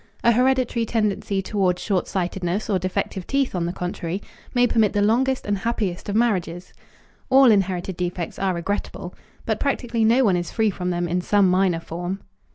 A hereditary tendency toward short sightedness or defective teeth, on the contrary, may permit the longest and happiest of marriages. All inherited defects are regrettable, but practically no one is free from them in some minor form.